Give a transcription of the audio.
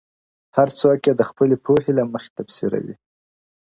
• هر څوک يې د خپلې پوهې له مخې تفسيروي..